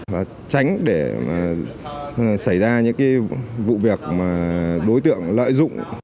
và tránh để xảy ra những vụ việc mà đối tượng lợi dụng